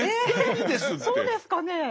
えそうですかね？